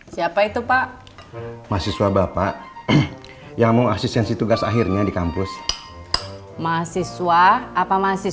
siapa itu pak mahasiswa bapak yang mau asistensi tugas akhirnya di kampus mahasiswa apa mahasiswa